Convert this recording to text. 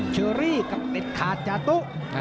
เชอรี่กับเด็ดขาดจาตุ